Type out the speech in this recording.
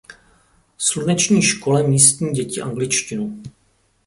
Sluneční škole místní děti angličtinu.